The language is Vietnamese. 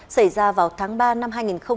xảy ra vào tháng ba năm hai nghìn hai mươi